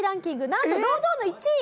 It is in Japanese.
なんと堂々の１位！